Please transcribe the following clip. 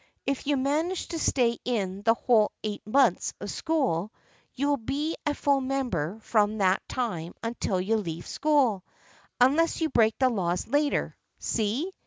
If you managed to stay in the whole eight months of school, you will be a full member from that time until you leave school, unless you break the laws later. See